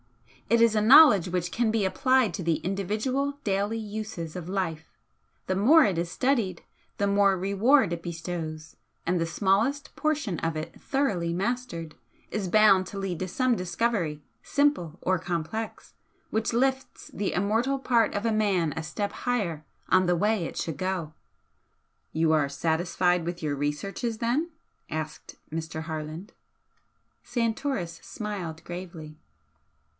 It is a knowledge which can be applied to the individual daily uses of life, the more it is studied, the more reward it bestows, and the smallest portion of it thoroughly mastered, is bound to lead to some discovery, simple or complex, which lifts the immortal part of a man a step higher on the way it should go." "You are satisfied with your researches, then?" asked Mr. Harland. Santoris smiled gravely.